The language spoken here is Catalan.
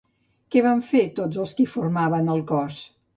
Què van fer tots els qui formaven el cos?